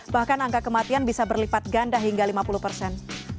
bahkan angka kematian bisa berlipat ganda hingga lima puluh persen